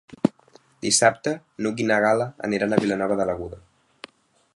Dissabte n'Hug i na Gal·la aniran a Vilanova de l'Aguda.